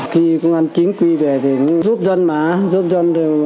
khi công an chính quy về thì cũng giúp dân má giúp dân